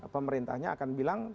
pemerintahnya akan bilang